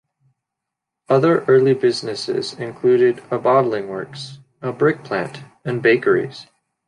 Other early businesses included a bottling works, a brick plant, and bakeries.